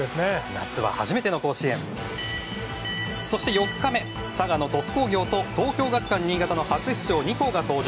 夏は初めての甲子園そして４日目は佐賀の鳥栖工業と東京学館新潟の初出場２校が登場。